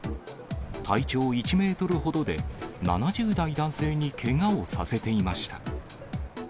体長１メートルほどで、７０代男性にけがをさせていました。